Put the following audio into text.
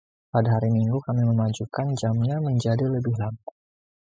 Pada hari Minggu, kami memajukan jamnya menjadi lebih lambat.